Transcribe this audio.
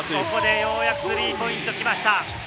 ようやくスリーポイントが来ました。